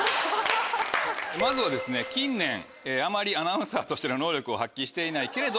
まずは近年あまりアナウンサーとしての能力を発揮していないけれど。